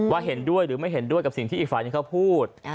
เห็นด้วยหรือไม่เห็นด้วยกับสิ่งที่อีกฝ่ายหนึ่งเขาพูด